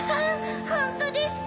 ホントですか？